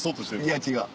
いや違う。